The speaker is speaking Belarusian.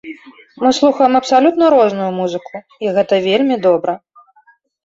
Мы слухаем абсалютна розную музыку і гэта вельмі добра!